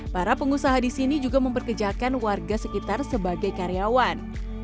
para pengusaha di sini juga memperkejakan warga sekitar sebagai karyawan